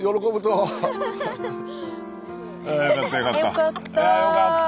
よかったよかった。